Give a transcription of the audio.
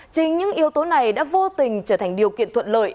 chính những yếu tố này đã vô tình trở thành điều kiện thuận lợi